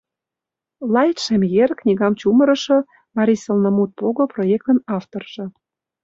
Лайд ШЕМЙЭР, книгам чумырышо, «Марий сылнымут пого» проектын авторжо.